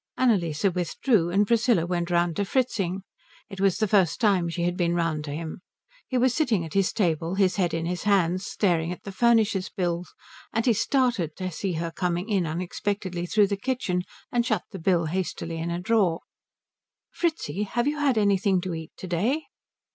Annalise withdrew, and Priscilla went round to Fritzing. It was the first time she had been round to him. He was sitting at his table, his head in his hands, staring at the furnisher's bill, and he started to see her coming in unexpectedly through the kitchen, and shut the bill hastily in a drawer. "Fritzi, have you had anything to eat to day?"